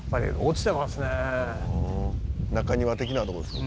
「中庭的なとこですか？